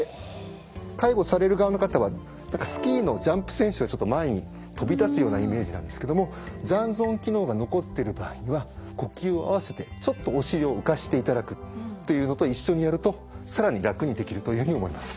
介護される側の方はスキーのジャンプ選手がちょっと前に飛び立つようなイメージなんですけども残存機能が残ってる場合には呼吸を合わせてちょっとお尻を浮かしていただくというのと一緒にやると更に楽にできるというふうに思います。